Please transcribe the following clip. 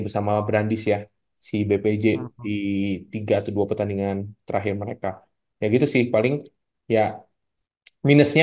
bersama brandis ya si bpj di tiga atau dua pertandingan terakhir mereka ya gitu sih paling ya minusnya